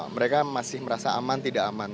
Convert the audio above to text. mereka masih merasa aman tidak aman